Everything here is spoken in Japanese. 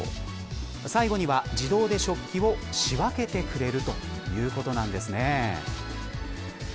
最後には、自動で食器を仕分けてくれるということなんですね。